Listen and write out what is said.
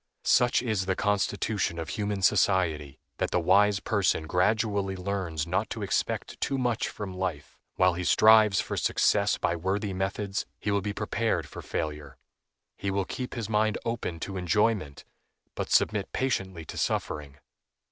Such is the constitution of human society, that the wise person gradually learns not to expect too much from life; while he strives for success by worthy methods, he will be prepared for failure. He will keep his mind open to enjoyment, but submit patiently to suffering.